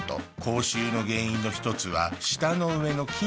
口臭の原因の一つは舌の上の菌なんです。